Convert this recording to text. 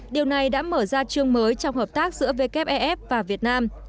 điều này đã mở ra chương mới trong hợp tác giữa wef và việt nam